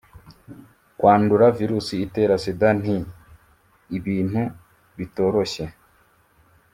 kwandura virusi itera sida nti ibintu bitoroshye